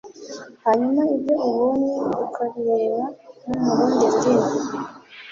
hanyuma ibyo ubonye ukabireba no mu rundi rurimi